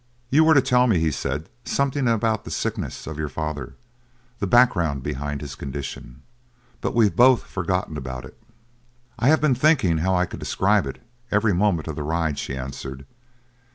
"You were to tell me," he said, "something about the sickness of your father the background behind his condition. But we've both forgotten about it." "I have been thinking how I could describe it, every moment of the ride," she answered.